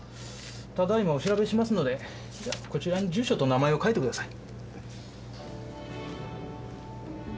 ただ今お調べしますのでじゃあこちらに住所と名前を書いてください。